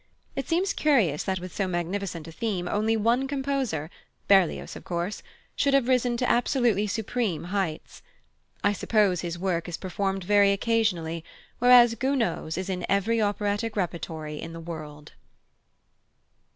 It seems curious that with so magnificent a theme only one composer Berlioz, of course should have risen to absolutely supreme heights. I suppose his work is performed very occasionally; whereas Gounod's is in every operatic repertory in the world.